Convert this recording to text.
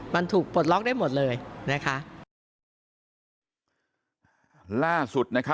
มันถูกปลดล็อกได้หมดเลยนะคะ